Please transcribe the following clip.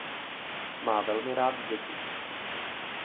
Má velmi rád děti.